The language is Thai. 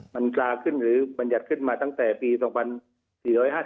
มันกลาขึ้นหรือมันหยัดขึ้นมาตั้งแต่ปี๒๔๕๖แล้ว